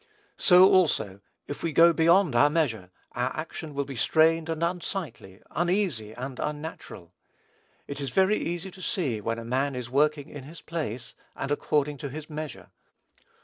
So, also, if we go beyond our measure, our action will be strained and unsightly, uneasy and unnatural. It is very easy to see when a man is working in his place, and according to his measure.